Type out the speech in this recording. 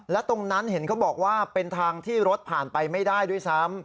และตรงนั้นเห็นเขาบอกว่าเป็นทางที่รถผ่านไปไม่ได้ด้วยซ้ำ